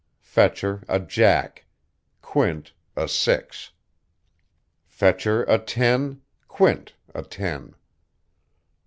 Fetcher a jack, Quint a six. Fetcher a ten, Quint a ten.